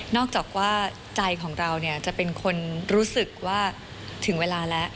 อกจากว่าใจของเราจะเป็นคนรู้สึกว่าถึงเวลาแล้ว